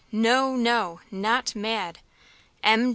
no, no, not mad! –M.